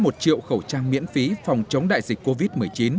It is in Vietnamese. một triệu khẩu trang miễn phí phòng chống đại dịch covid một mươi chín